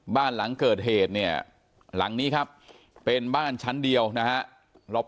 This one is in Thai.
บ้านหลังเกิดเหตุเนี่ยหลังนี้ครับเป็นบ้านชั้นเดียวนะฮะรอบ